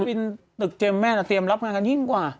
บินตึกเจมส์เตรียมรับงานกันยิ่งกว่า